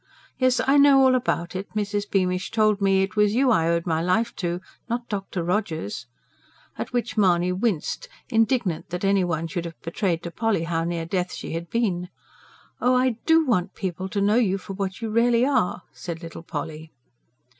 Yes, I know all about it; Mrs. Beamish told me it was you I owed my life to, not Dr. Rogers" at which Mahony winced, indignant that anyone should have betrayed to Polly how near death she had been. "Oh, I DO want people to know you for what you really are!" said little Polly.